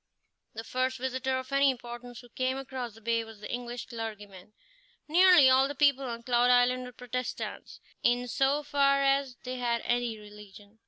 The first visitor of any importance who came across the bay was the English clergyman. Nearly all the people on Cloud Island were Protestants, in so far as they had any religion.